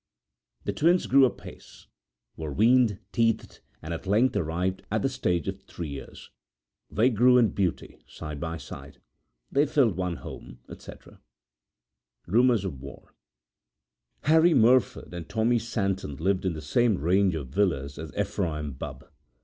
The twin's grew apace; were weaned; teethed; and at length arrived at the stage of three years! They grew in beauty side by side, They filled one home, etc. Rumours of War[edit] Harry Merford and Tommy Santon lived in the same range of villas as Ephraim Bubb.